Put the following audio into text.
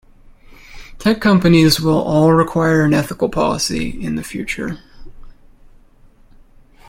Tech companies will all require an ethical policy in the future.